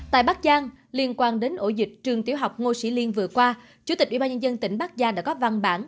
tại bắc giang liên quan đến ổ dịch trường tiểu học ngô sĩ liên vừa qua chủ tịch ủy ban nhân dân tỉnh bắc giang đã có văn bản